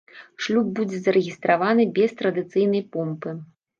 Шлюб будзе зарэгістраваны без традыцыйнай помпы.